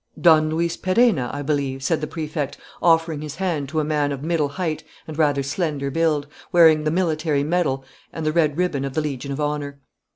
"Don Luis Perenna, I believe?" said the Prefect, offering his hand to a man of middle height and rather slender build, wearing the military medal and the red ribbon of the Legion of Honour.